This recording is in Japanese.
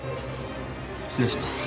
失礼します。